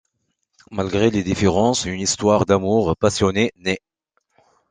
Malgré les différences, une histoire d'amour passionnée naît.